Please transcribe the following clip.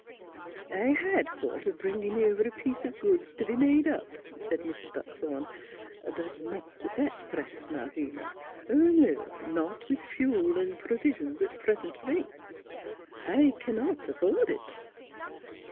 " I had thought of bringin' over a piece of goods t' be made up," said Mrs. Buckthorn. 1 82 NEIGHBORS " But not at that price, Malvina. No; not with fuel an' pro visions at present rates. I cannot afford it."